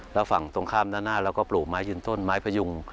แล้วฝั่งตรงข้ามด้านหน้าเราก็ปลูกไม้ยืนต้นไม้พยุง